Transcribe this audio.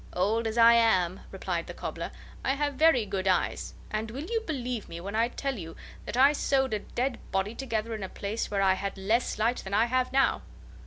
"Old as I am," replied the cobbler, "I have very good eyes, and will you believe me when I tell you that I sewed a dead body together in a place where I had less light than I have now."